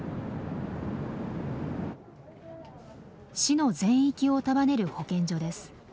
市の全域を束ねる保健所です。